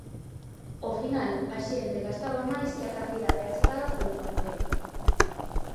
Ao final, a xente gastaba máis que a cantidade achegada polo concello.